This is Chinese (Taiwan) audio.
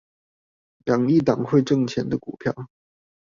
養一檔會掙錢的股票